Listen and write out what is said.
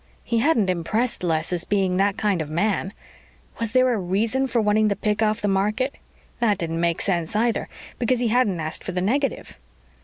He hadn't impressed Les as being that kind of man. Was there a reason for wanting the pic off the market? That didn't make sense either because he hadn't asked for the negative.